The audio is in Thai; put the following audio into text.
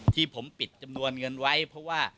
ที่ผมปิดจำนวนเงินไว้เพราะว่า